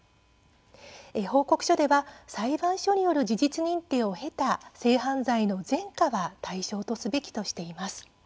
報告書では、裁判所による事実認定を経た性犯罪の前科は対象とすべきとしています。